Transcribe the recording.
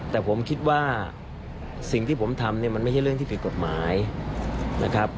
แต่ผมคิดว่าสิ่งที่ผมทำเนี่ยมันไม่ใช่เรื่องที่ผิดกฎหมายนะครับ